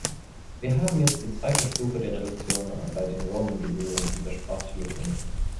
Wir haben jetzt die zweite Stufe der Reduktion bei den Roaming-Gebühren in der Sprachtelefonie.